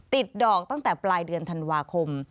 ดอกตั้งแต่ปลายเดือนธันวาคม